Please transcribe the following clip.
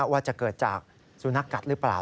ว่าจะเกิดจากสุนัขกัดหรือเปล่า